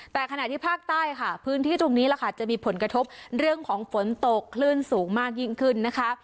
แต่ขณะที่ภาคใต้ค่ะพื้นที่ตรงนี้แหละค่ะจะมีผลกระทบเรื่องของฝนตกคลื่นสูงมากยิ่งขึ้นนะคะ